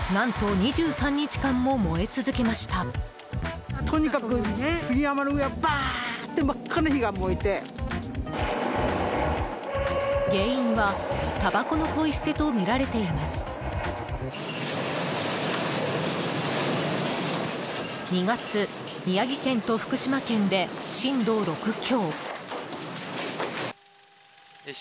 ２月、宮城県と福島県で震度６強。